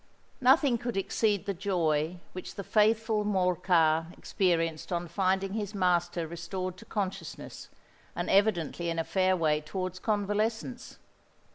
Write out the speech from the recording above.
Nothing could exceed the joy which the faithful Morcar experienced on finding his master restored to consciousness, and evidently in a fair way towards convalescence.